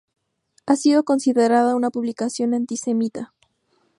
Ha sido considerada una publicación antisemita.